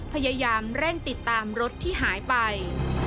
พยายามเร่งติดตามรถที่หายไป